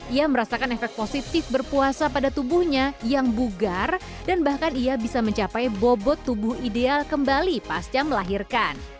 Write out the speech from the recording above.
ia merasakan efek positif berpuasa pada tubuhnya yang bugar dan bahkan ia bisa mencapai bobot tubuh ideal kembali pasca melahirkan